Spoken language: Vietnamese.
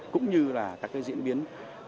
cũng như là các cái diễn biến